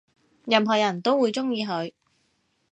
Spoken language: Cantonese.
任何人都會鍾意佢